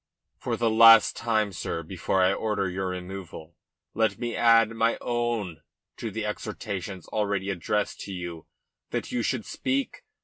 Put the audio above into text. "For the last time, sir, before I order your removal, let me add my own to the exhortations already addressed to you, that you should speak.